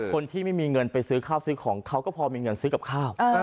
คนที่ไม่มีเงินไปซื้อข้าวซื้อของเขาก็พอมีเงินซื้อกับข้าว